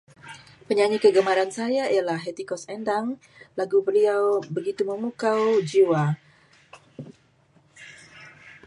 Penyanyi kegemaran saya ialah Hetty Koes Endang. Lagu beliau begitu memukau jiwa.